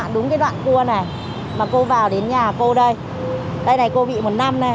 đương tắc thì mọi quy chuẩn